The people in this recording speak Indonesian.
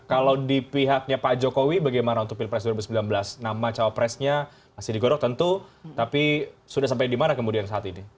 kalau di pihaknya pak jokowi bagaimana untuk pilpres dua ribu sembilan belas nama cawapresnya masih digorok tentu tapi sudah sampai di mana kemudian saat ini